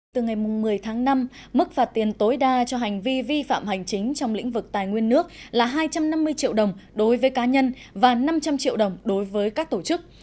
từ ngày một mươi tháng năm mức phạt tiền tối đa cho hành vi vi phạm hành chính trong lĩnh vực tài nguyên nước là hai trăm năm mươi triệu đồng đối với cá nhân và năm trăm linh triệu đồng đối với các tổ chức